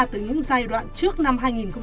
từ những giai đoạn trước năm hai nghìn một mươi hai